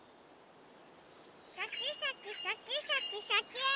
シャキシャキシャキシャキシャキーン！